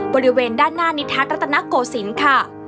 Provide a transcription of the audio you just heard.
บริเวณด้านหน้านิทรัตนโกสินค่ะ